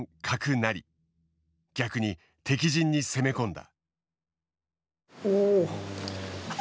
逆に敵陣に攻め込んだ。